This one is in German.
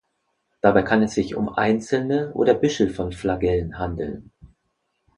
Dabei kann es sich um einzelne oder Büschel von Flagellen handeln.